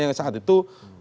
yang saat itu